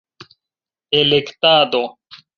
elektado